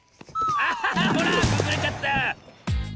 あほらくずれちゃった！